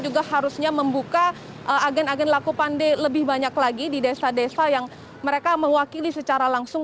juga harusnya membuka agen agen laku pandai lebih banyak lagi di desa desa yang mereka mewakili secara langsung